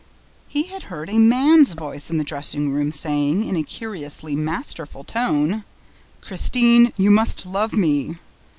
He had heard A MAN'S VOICE in the dressing room, saying, in a curiously masterful tone: "Christine, you must love me!"